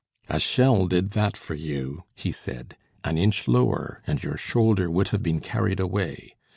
"A shell did that for you," he said; "an inch lower and your shoulder would have been carried away.